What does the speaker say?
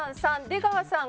３出川さん